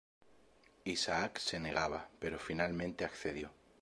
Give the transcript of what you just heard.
Isaac se negaba, pero finalmente accedió.